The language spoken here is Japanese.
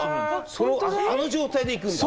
あの状態でいくんだ。